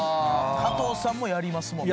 加藤さんもやりますもんね。